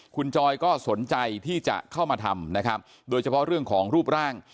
คุณจอยก็สนใจที่จะเข้ามาทำนะครับโดยเฉพาะเรื่องของรูปร่าง